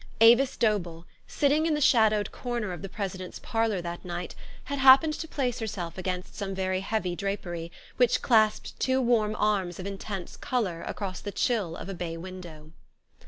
Avis Dobell, sitting in the shadowed corner of the president's parlor that night, had happened to place herself against some very heavy drapery, which clasped two warm arms of intense color across the chill of a bay window.